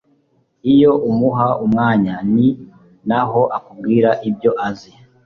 iyo umuha umwanya, ni naho akubwira ibyo azi